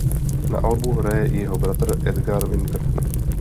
Na albu hraje i jeho bratr Edgar Winter.